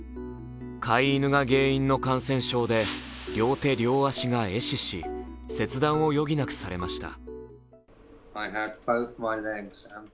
飼い犬が原因の感染症で、両手、両足が壊死し、切断を余儀なくされました。